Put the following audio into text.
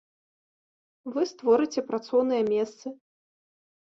Вы створыце працоўныя месцы.